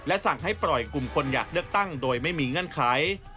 สั่งให้ปล่อยกลุ่มคนอยากเลือกตั้งโดยไม่มีเงื่อนไข